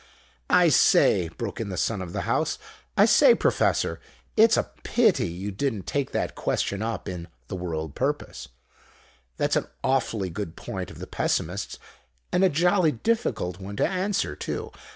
"I say," broke in the Son of the House, "I say, Professor, it's a pity you didn't take that question up in The World Purpose. That's an awfully good point of the Pessimist's, and a jolly difficult one to answer, too.